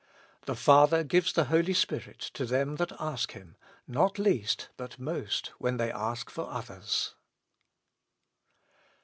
The Father gives the Holy Spirit to them that ask Him, not least, but most, when they ask for others.